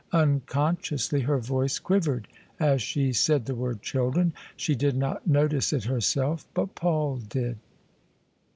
Unconsciously her voice quivered as she said the word * children.' She did not notice it herself: but Paul did.